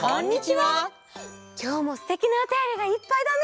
きょうもすてきなおたよりがいっぱいだね！